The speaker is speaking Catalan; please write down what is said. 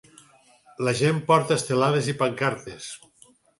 La gent porta estelades i pancartes.